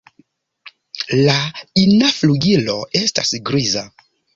La ina flugilo estas griza.